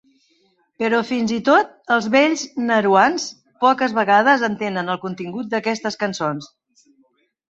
Però fins i tot els vells nauruans poques vegades entenen el contingut d'aquestes cançons.